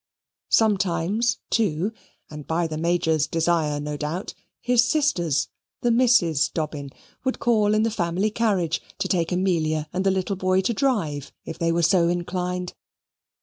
Sometimes, too, and by the Major's desire no doubt, his sisters, the Misses Dobbin, would call in the family carriage to take Amelia and the little boy to drive if they were so inclined.